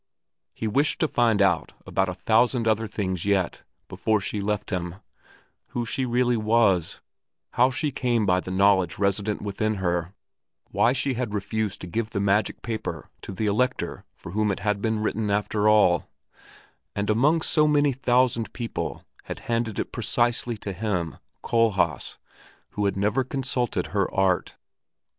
He wished to find out about a thousand other things yet, before she left him who she really was, how she came by the knowledge resident within her, why she had refused to give the magic paper to the Elector for whom it had been written after all, and among so many thousand people had handed it precisely to him, Kohlhaas, who had never consulted her art.